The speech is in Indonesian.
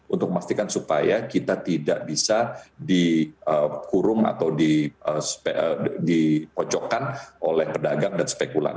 untuk memastikan supaya kita tidak bisa dikurung atau dikocokkan oleh pedagang dan spekulan